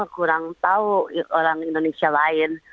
kurang tahu orang indonesia lain